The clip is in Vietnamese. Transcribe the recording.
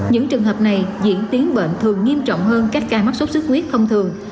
những trường hợp này diễn tiến bệnh thường nghiêm trọng hơn các ca mắc sốt xuất huyết thông thường